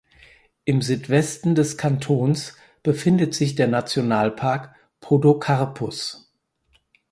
Im Südwesten des Kantons befindet sich der Nationalpark Podocarpus.